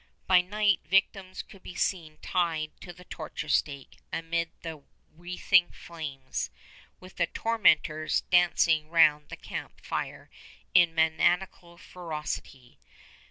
By night victims could be seen tied to the torture stake amid the wreathing flames, with the tormentors dancing round the camp fire in maniacal ferocity.